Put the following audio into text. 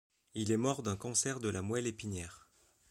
Il est mort d'un cancer de la moelle épinière.